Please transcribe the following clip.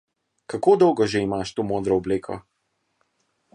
Kako dolgo že imaš to modro obleko?